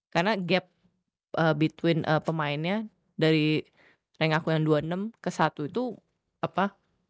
karena gap between pemainnya dari yang aku yang dua puluh enam ke satu itu apa